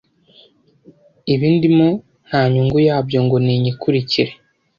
ibi ndimo nta nyungu yabyo ngo ninyikurikire